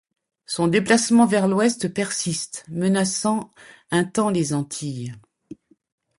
Son déplacement vers l'Ouest persiste, menaçant un temps les Antilles.